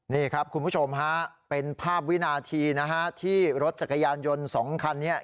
นี่ครับคุณผู้ชมฮะเป็นภาพวินาทีนะฮะที่รถจักรยานยนต์๒คันนี้